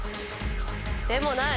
でもない。